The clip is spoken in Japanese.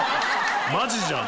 マジじゃん！